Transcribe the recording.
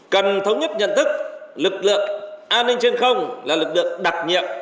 cần thống nhất nhận thức lực lượng an ninh trên không là lực lượng đặc nhiệm